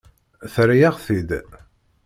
Terra-yaɣ-t-id.